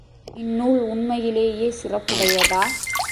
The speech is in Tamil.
இந்நூல் உண்மையிலேயே சிறப்புடையதா?